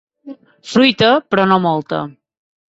Fruita, però no molta.